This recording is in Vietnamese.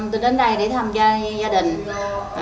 hàng tháng tôi đến đây thăm gia đình